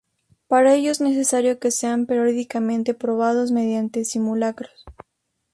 Para ello es necesario que sean periódicamente probados mediante simulacros.